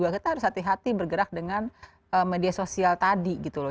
kita harus hati hati bergerak dengan media sosial tadi gitu loh